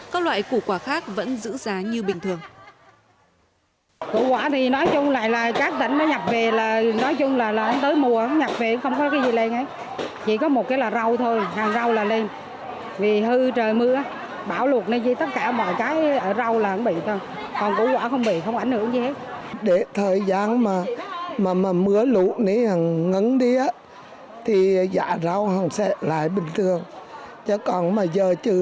các loại củ quả khác vẫn giữ giá như bình thường